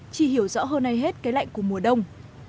chị hiểu rõ hơn hay hết cái lạnh của mùa đông